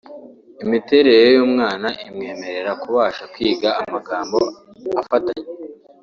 imiterere y’umwana imwemerera kubasha kwiga amagambo afatanye